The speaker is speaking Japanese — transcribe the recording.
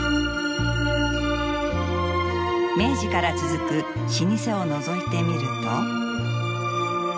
明治から続く老舗をのぞいてみると。